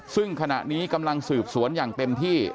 ซึ่งขณะนี้กำลังสืบสวนอย่างเต็มที่